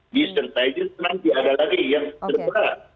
disertai juga nanti ada lagi yang terbarat